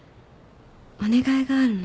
お願いがあるの。